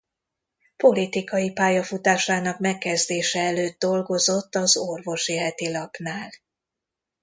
Politikai pályafutásának megkezdése előtt dolgozott az Orvosi Hetilapnál.